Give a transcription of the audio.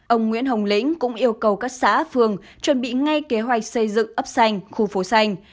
ông nguyễn hồng lĩnh cũng yêu cầu các xã phường chuẩn bị ngay kế hoạch xây dựng ấp xanh khu phố xanh